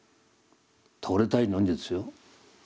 倒れたいのにですよ。